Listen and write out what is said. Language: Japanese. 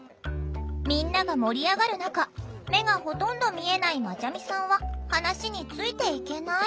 みんなが盛り上がる中目がほとんど見えないまちゃみさんは話についていけない。